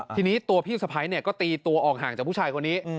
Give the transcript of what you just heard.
ทีนี้ตัวพี่สะพ้ายก็ตีตัวออกห่างจากผู้ชายคนนี้